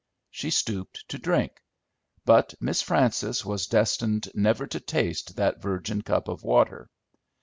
She stooped to drink; but Miss Frances was destined never to taste that virgin cup of water.